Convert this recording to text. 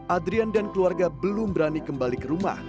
adrian dan keluarga belum berani kembali ke rumah